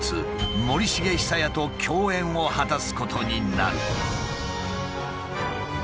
森繁久彌と共演を果たすことになる。